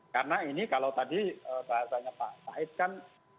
karena ini kalau tadi bahasanya pak said kan